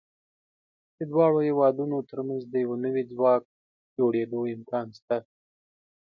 د دواړو هېوادونو تر منځ د یو نوي ځواک جوړېدو امکان شته.